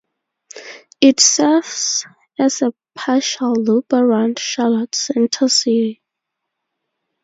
It serves as a partial loop around Charlotte center city.